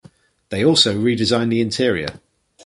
They also redesigned the interior.